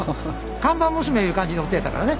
看板娘いう感じの人やったからね。